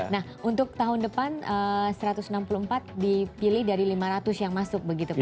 nah untuk tahun depan satu ratus enam puluh empat dipilih dari lima ratus yang masuk begitu pak